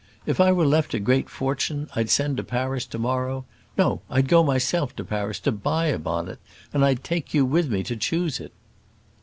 If I were left a great fortune, I'd send to Paris to morrow; no, I'd go myself to Paris to buy a bonnet, and I'd take you with me to choose it."